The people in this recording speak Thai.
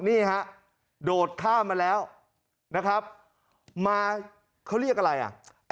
นี่ฮะโดดข้ามมาแล้วนะครับมาเขาเรียกอะไรอ่ะ